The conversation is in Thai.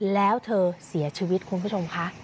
แล้วเธอเสียชีวิตคุณผู้ชมค่ะ